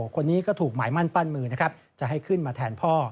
คนนี้ก็ถูกหมายมั่นปั้นมือนะครับจะให้ขึ้นมาแทนพ่อ